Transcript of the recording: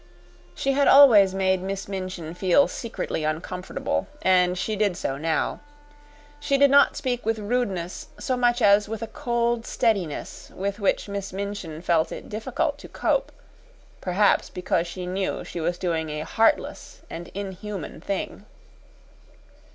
She had always made Miss Minchin feel secretly uncomfortable, and she did so now. She did not speak with rudeness so much as with a cold steadiness with which Miss Minchin felt it difficult to cope perhaps because she knew she was doing a heartless and inhuman thing.